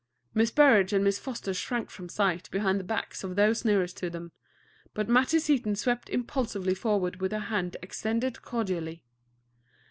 Miss Burrage and Miss Foster shrank from sight behind the backs of those nearest to them; but Mattie Seaton swept impulsively forward with her hand extended cordially.